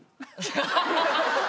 ハハハハ！